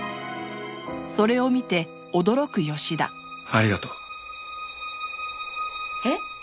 ありがとう。え？